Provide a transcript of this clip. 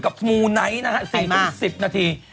กับมูไนท์นะฮะ๔ทุ่ม๑๐นาที